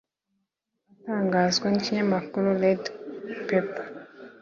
Amakuru atangazwa n’ikinyamakuru red pepper